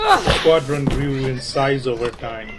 The squadron grew in size over time.